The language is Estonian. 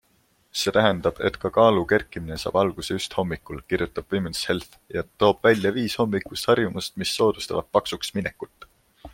See tähendab, et ka kaalu kerkimine saab alguse just hommikul, kirjutab Women's Health ja toob välja viis hommikust harjumust, mis soodustavad paksuksminekut.